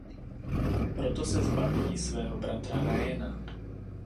Proto se zbaví i svého bratra Ryana.